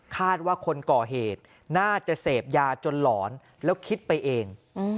คาดว่าคนก่อเหตุน่าจะเสพยาจนหลอนแล้วคิดไปเอง